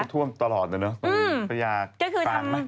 ท่วมตลอดเลยเนอะตรงประยาศาสตร์ฝั่งก็คือทำ